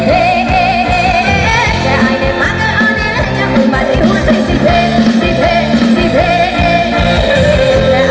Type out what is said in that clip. เอาล่ะจ๊ะ